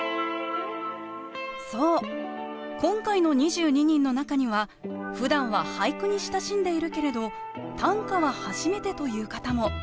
そう今回の２２人の中にはふだんは俳句に親しんでいるけれど短歌は初めてという方も。